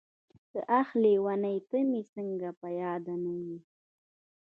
داح لېونۍ ته مې څنګه په ياده نه وې.